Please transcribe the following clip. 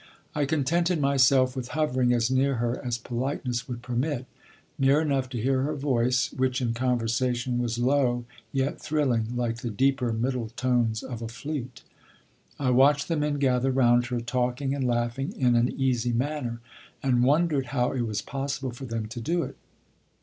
I contented myself with hovering as near her as politeness would permit; near enough to hear her voice, which in conversation was low, yet thrilling, like the deeper middle tones of a flute. I watched the men gather round her talking and laughing in an easy manner, and wondered how it was possible for them to do it.